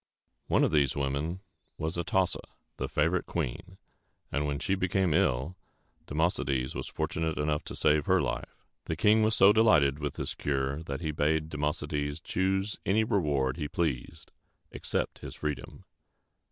One of these women was A tos´sa, the favorite queen; and when she became ill, Democedes was fortunate enough to save her life. The king was so delighted with this cure, that he bade Democedes choose any reward he pleased except his freedom.